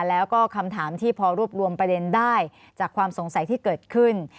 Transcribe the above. แล้วก็คำถามที่พอรวบรวมประเด็นได้จากความสงสัยที่เกิดขึ้น